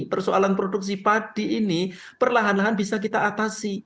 persoalan produksi padi ini perlahan lahan bisa kita atasi